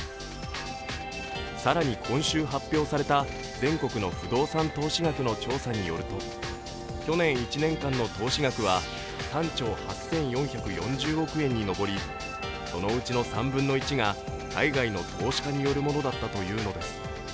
更に今週発表された全国の不動産投資額の調査によると、去年１年間の投資額は３兆８４４０億円に上りそのうちの３分の１が海外の投資家によるものだったというのです。